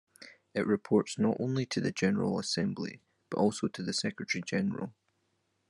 It reports not only to the General Assembly, but also to the Secretary-General.